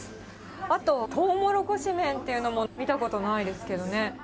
あと、とうもろこし麺っていうのも、見たことないですけどね。